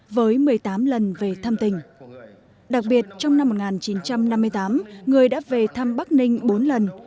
với một mươi tám lần về thăm tỉnh đặc biệt trong năm một nghìn chín trăm năm mươi tám người đã về thăm bắc ninh bốn lần